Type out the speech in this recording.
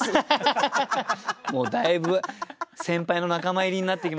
もうだいぶ先輩の仲間入りになってきましたけど。